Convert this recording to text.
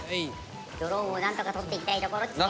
ドローンをなんとかとっていきたいところッチね。